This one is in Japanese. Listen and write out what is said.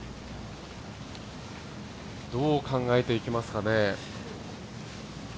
どう考えていきますかね？